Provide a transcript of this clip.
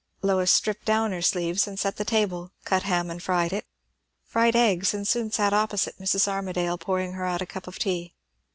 Lois stripped down her sleeves and set the table, cut ham and fried it, fried eggs, and soon sat opposite Mrs. Armadale pouring her out a cup of tea.